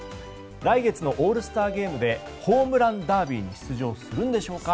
来月のオールスターゲームでホームランダービーに出場するんでしょうか。